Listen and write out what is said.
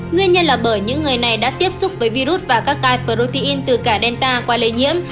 nguyên nhân là bởi những người này đã tiếp xúc với virus và các tai protein từ cả delta qua lây nhiễm